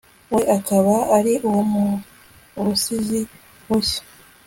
we akaba ari uwo mu busizi bushya